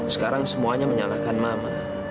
sekarang semuanya menyalahkan mama